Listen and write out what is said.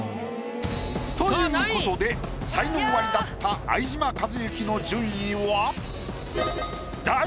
ということで才能アリだった相島一之の順位は。